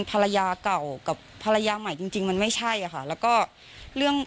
ภรรยาเก่ากับภรรยาใหม่จริงจริงมันไม่ใช่อะค่ะแล้วก็เรื่อง